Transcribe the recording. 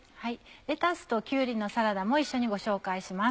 レタスときゅうりのサラダも一緒にご紹介します。